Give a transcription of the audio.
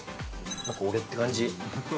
何か俺って感じ。